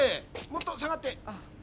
もっと下がって。